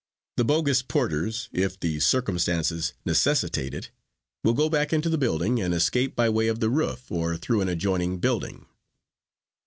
The bogus porters, if the circumstances necessitate it, will go back into the building and escape by way of the roof or through an adjoining building.